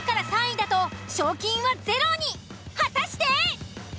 果たして！？